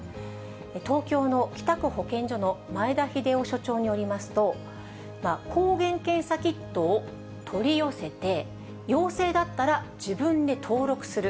東京の北区保健所の前田秀雄所長によりますと、抗原検査キットを取り寄せて、陽性だったら自分で登録する。